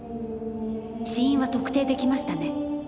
死因は特定できましたね。